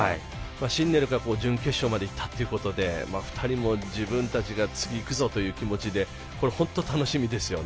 シンネルが準決勝までいったということで２人も自分たちが次、行くぞという気持ちでこれ、本当に楽しみですよね。